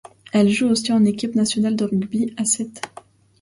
Elle joue aussi en équipe nationale de rugby à sept.